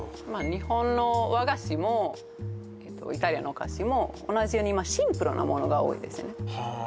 日本の和菓子もイタリアのお菓子も同じようにシンプルなものが多いですよねはあ